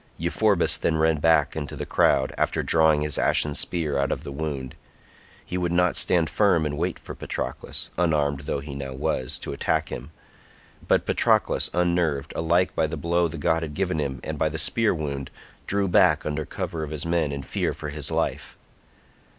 Euphorbus then ran back into the crowd, after drawing his ashen spear out of the wound; he would not stand firm and wait for Patroclus, unarmed though he now was, to attack him; but Patroclus unnerved, alike by the blow the god had given him and by the spear wound, drew back under cover of his men in fear for his life.